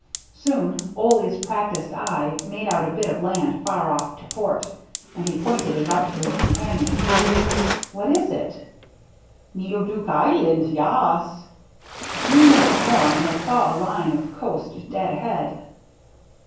Soon Ole's practised eyes made out a bit of land far oflT to port, and he pointed it out to his companion. "What is it?" " Meedle Dook Island, ya as." A few minutes more and they saw a line of coast dead ahead.